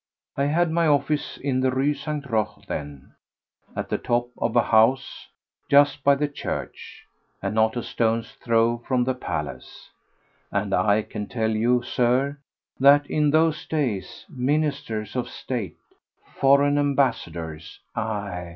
I had my office in the Rue St. Roch then, at the top of a house just by the church, and not a stone's throw from the palace, and I can tell you, Sir, that in those days ministers of state, foreign ambassadors, aye!